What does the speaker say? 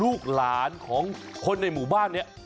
ลูกหลานของคนในหมู่บ้านนี้